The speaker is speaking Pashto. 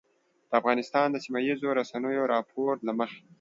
د افغانستان د سیمهییزو رسنیو د راپور له مخې